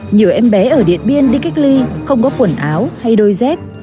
nhiều em bé ở điện biên đi cách ly không có quần áo hay đôi dép